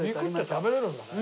肉って食べれるんだね。